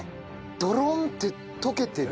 ドロンって溶けてる。